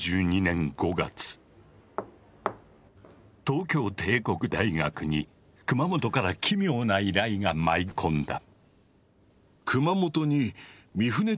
東京帝国大学に熊本から奇妙な依頼が舞い込んだ。